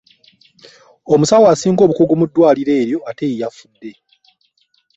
Omusawo asinga obukugu mu ddwaaliro eryo ate ye yafudde!